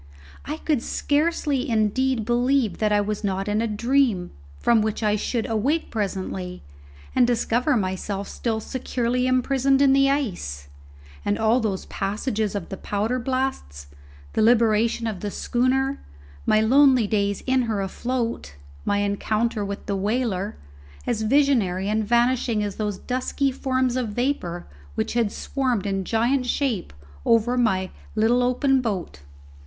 I could scarcely indeed believe that I was not in a dream from which I should awake presently, and discover myself still securely imprisoned in the ice, and all those passages of the powder blasts, the liberation of the schooner, my lonely days in her afloat, my encounter with the whaler, as visionary and vanishing as those dusky forms of vapour which had swarmed in giant shape over my little open boat.